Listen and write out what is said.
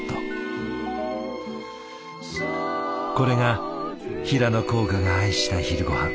これが平野甲賀が愛した昼ごはん。